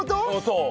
そう。